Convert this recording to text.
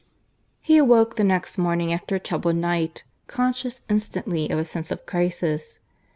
(V) He awoke the next morning after a troubled night, conscious instantly of a sense of crisis.